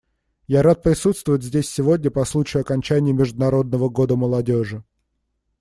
Я рад присутствовать здесь сегодня по случаю окончания Международного года молодежи.